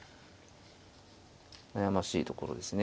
悩ましいところですね。